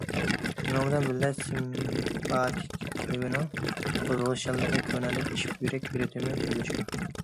شۇنىڭ بىلەن بىللە سىمپاتىك نېرۋىنىڭ قوزغىلىشچانلىقى كۆرۈنەرلىك ئېشىپ، يۈرەك رىتىمى تېزلىشىدۇ.